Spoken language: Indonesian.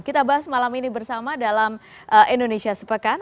kita bahas malam ini bersama dalam indonesia sepekan